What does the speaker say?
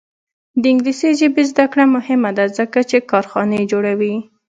د انګلیسي ژبې زده کړه مهمه ده ځکه چې کارخانې جوړوي.